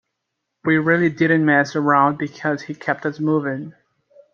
We really didn't mess around because he kept us moving.